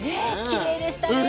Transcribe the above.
きれいでしたね。